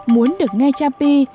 muốn được nghe cha pi